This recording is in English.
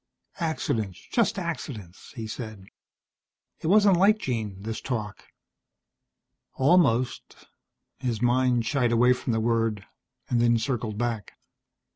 "Accidents, just accidents," he said. It wasn't like Jean, this talk. Almost His mind shied away from the word, and circled back.